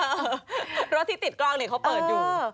รถที่ติดกล้องเขาเปิดอยู่